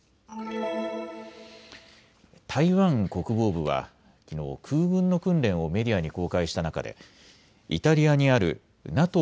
台湾国防部はきのう、空軍の訓練をメディアに公開した中でイタリアにあるＮＡＴＯ